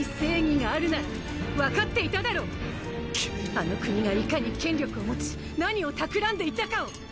あの国がいかに権力を持ち何をたくらんでいたかを！